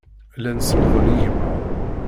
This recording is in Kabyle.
Llan sellḍen igmaḍ.